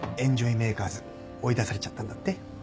メーカーズ追い出されちゃったんだって？